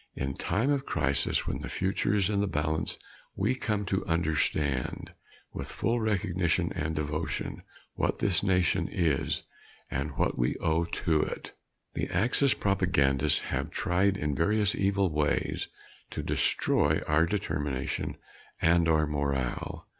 In time of crisis when the future is in the balance, we come to understand, with full recognition and devotion, what this nation is and what we owe to it. The Axis propagandists have tried in various evil ways to destroy our determination and our morale.